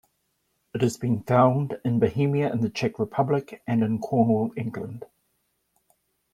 It has been found in Bohemia in the Czech Republic and in Cornwall, England.